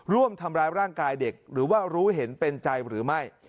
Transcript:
ร่วมทำร้ายร่างกายเด็กหรือว่ารู้เห็นเป็นใจหรือไม่